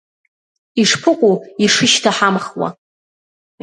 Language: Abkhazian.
Ишԥыкәу ишышьҭаҳамхуа!